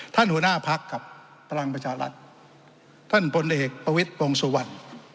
ท่านหุนาภักดิ์กับพลังประชาลัทธ์ท่านบนเอกปวิทย์วงศ์สุวรรณ